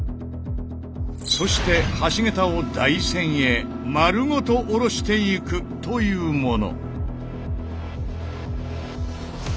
そして橋桁を台船へまるごとおろしていくというもの。